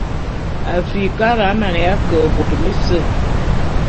Afrikara a maneya ke bôt bese.